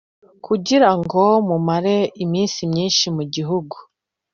kugira ngo mumare iminsi myinshi mu gihugu